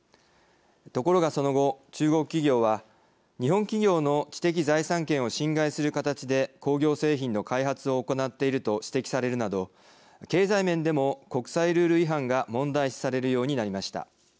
ところが、その後中国企業は日本企業の知的財産権を侵害する形で工業製品の開発を行っていると指摘されるなど経済面でも国際ルール違反が問題視されるようになりました。